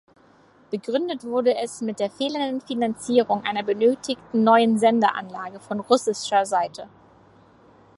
Begründet wurde es mit der fehlenden Finanzierung einer benötigten neuen Sendeanlage von russischer Seite.